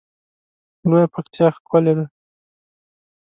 لویه پکتیا ښکلی ده